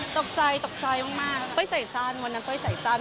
ตกใจตกใจมากเป้ยใส่สั้นวันนั้นเป้ยใส่สั้น